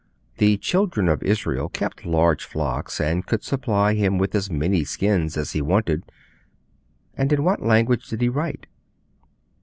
The Children of Israel kept large flocks, and could supply him with as many skins as he wanted. And in what language did he write?